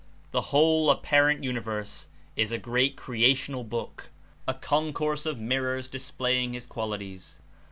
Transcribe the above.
The ^j^^ whole apparent universe is a great Creational "Creational Book," a concourse of mir ^^^^ rors displaying his qualities.